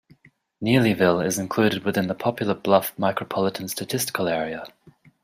Neelyville is included within the Poplar Bluff Micropolitan Statistical Area.